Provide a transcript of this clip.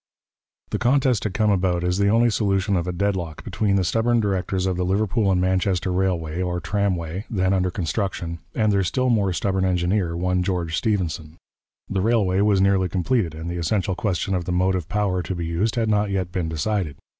The contest had come about as the only solution of a deadlock between the stubborn directors of the Liverpool and Manchester Railway, or tramway, then under construction, and their still more stubborn engineer, one George Stephenson. The railway was nearly completed, and the essential question of the motive power to be used had not yet been decided.